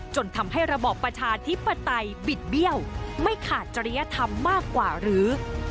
จนทำให้ระบอบประชาธิปไตยบิดเบี้ยวไม่ขาดจริยธรรมมากกว่าหรือ